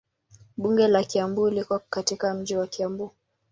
Bunge la Kiambu liko katika mji wa Kiambu.